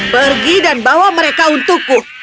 pergi dan bawa mereka untukku